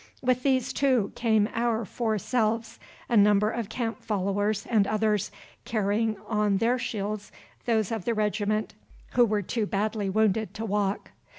With these, too, came our four selves, a number of camp followers and others, carrying on their shields those of the regiment who were too badly wounded to walk.